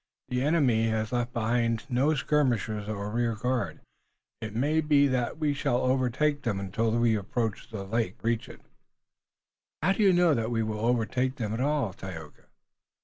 The enemy has left behind him no skirmishers or rear guard. It may be that we shall not overtake them until we approach the lake or reach it." "How do you know that we will overtake them at all, Tayoga?